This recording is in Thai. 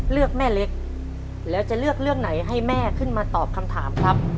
เลือกแม่เล็กแล้วจะเลือกเรื่องไหนให้แม่ขึ้นมาตอบคำถามครับ